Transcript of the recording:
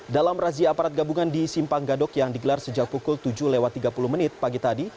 dalam razia aparat gabungan di simpang gadok yang digelar sejak pukul tujuh lewat tiga puluh menit pagi tadi